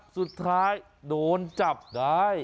สุดท้ายโดนจับได้